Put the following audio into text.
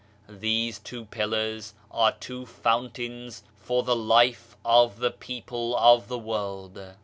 These two pillars are two fountains for the life of the people of the world.